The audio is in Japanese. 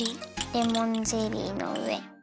レモンゼリーのうえ。